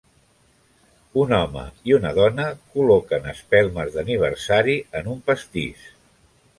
Un home i una dona col·loquen espelmes d'aniversari en un pastís.